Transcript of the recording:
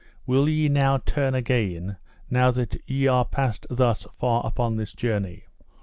Will ye now turn again, now ye are passed thus far upon this journey?